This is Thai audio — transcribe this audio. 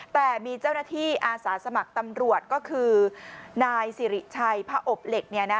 แต่มีเจ้าหน้าที่อาสาสมัครตำรวจก็คือนายสิริชัยพระอบเหล็ก